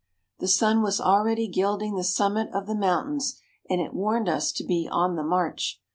The sun was already gilding the summit of the mountains, and it warned us to be on the march.